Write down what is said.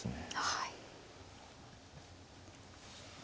はい。